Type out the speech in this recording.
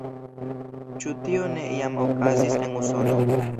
Ĉu tio ne jam okazis en Usono?